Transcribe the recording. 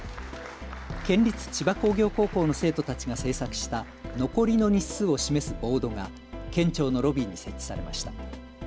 県立千葉工業高校の生徒たちが制作した残りの日数を示すボードが県庁のロビーに設置されました。